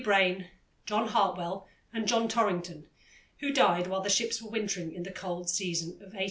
Braine, John Hartwell, and John Torrington, who died while the ships were wintering in the cold season of 1845 6.